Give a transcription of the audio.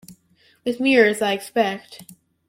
With mirrors, I expect.